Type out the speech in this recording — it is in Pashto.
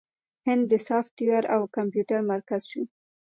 هند د سافټویر او کمپیوټر مرکز شو.